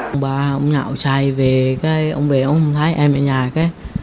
ông bà ông ngạo trai về ông bè ông không thấy em ở nhà